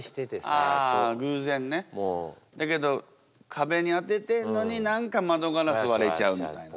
壁に当ててんのに何か窓ガラス割れちゃうみたいな。